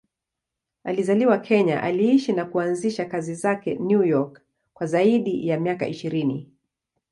Alizaliwa Kenya, aliishi na kuanzisha kazi zake New York kwa zaidi ya miaka ishirini.